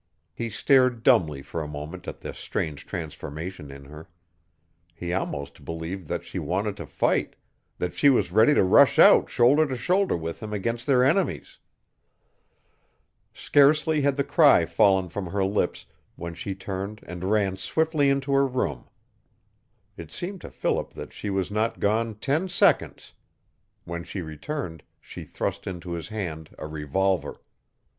He stared dumbly for a moment at the strange transformation in her. He almost believed that she wanted to fight that she was ready to rush out shoulder to shoulder with him against their enemies. Scarcely had the cry fallen from her lips when she turned and ran swiftly into her room. It seemed to Philip that she was not gone ten seconds. When she returned she thrust into his hand a revolver.